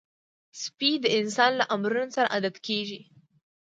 سپي د انسان له امرونو سره عادت کېږي.